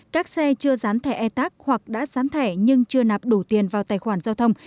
các xe chưa sán thẻ etag hoặc đã sán thẻ nhưng chưa nạp đủ tiền vào tài khoản giao thông